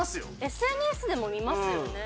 ＳＮＳでも見ますよね。